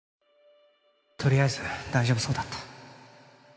とりあえず大丈夫そうだった